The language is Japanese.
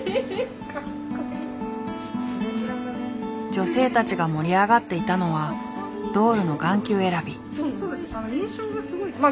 女性たちが盛り上がっていたのはドールの眼球選び。